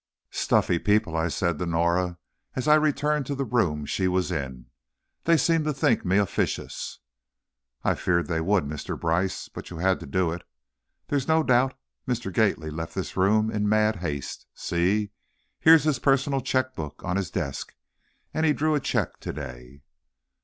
"Stuffy people!" I said to Norah, as I returned to the room she was in. "They seemed to think me officious." "I feared they would, Mr. Brice, but you had to do it. There's no doubt Mr. Gately left this room in mad haste. See, here's his personal checkbook on his desk, and he drew a check today."